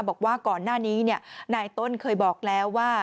บอกว่าก่อนหน้านี้นายต้นเคยบอกแล้วว่า